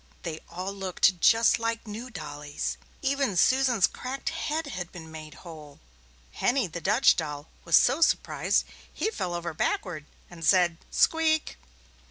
They all looked just like new dollies. Even Susan's cracked head had been made whole. Henny, the Dutch doll, was so surprised he fell over backward and said, "Squeek!"